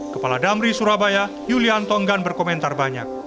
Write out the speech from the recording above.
kepala damri surabaya yulian tonggan berkomentar banyak